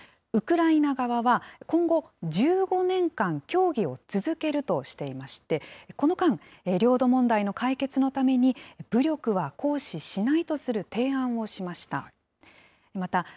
ウクライナ側は今後、１５年間協議を続けるとしていまして、この間、領土問題の解決のために、武力は行使しないとする提案をしました。